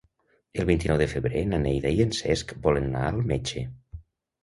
El vint-i-nou de febrer na Neida i en Cesc volen anar al metge.